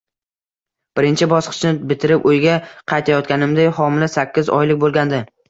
Birinchi bosqichni bitirib, uyga qaytayotganimda, homila sakkiz oylik bo`lgandi